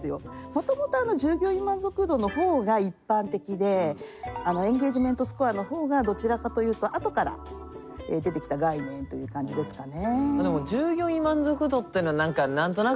もともと従業員満足度の方が一般的でエンゲージメントスコアの方がどちらかというとあとから出てきた概念という感じですかね。